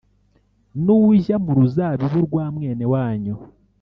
Nujya mu ruzabibu rwa mwene wanyu